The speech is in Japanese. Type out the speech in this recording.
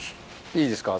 いいですか？